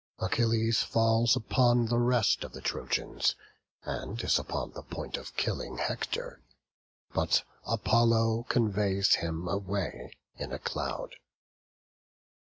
Achilles falls upon the rest of the Trojans, and is upon the point of killing Hector, but Apollo conveys him away in a cloud.